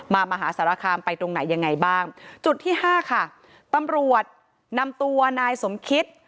มหาสารคามไปตรงไหนยังไงบ้างจุดที่ห้าค่ะตำรวจนำตัวนายสมคิต